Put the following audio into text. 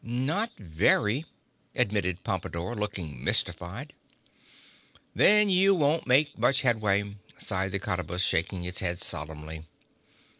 "Not very," admitted Pompadore, looking mystified. "Then you won't make much headway," sighed the Cottabus, shaking its head solemnly.